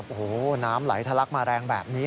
โอ้โหน้ำไหลทะลักมาแรงแบบนี้